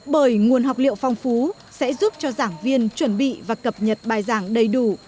bởi nguồn học liệu phong phú sẽ giúp cho giảng viên chuẩn bị và cập nhật bài giảng đầy đủ